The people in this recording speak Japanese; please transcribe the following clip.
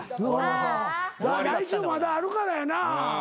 来週まだあるからやな。